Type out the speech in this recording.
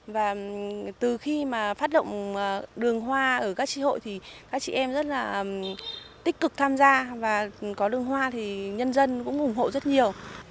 và từ khi mà phát động đường hoa ở các trí hội thì các chị em rất là tích cực tham gia và có đường hoa thì nhân dân cũng ủng hộ rất nhiều